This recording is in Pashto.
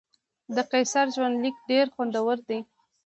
د قیصر ژوندلیک ډېر خوندور دی.